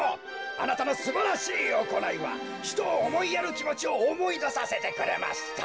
あなたのすばらしいおこないはひとをおもいやるきもちをおもいださせてくれました。